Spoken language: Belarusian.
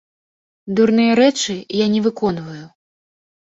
Дурныя рэчы я не выконваю.